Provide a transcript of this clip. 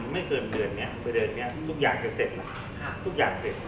ไม่เกินเดือนนี้ทุกอย่างจะเสร็จแล้ว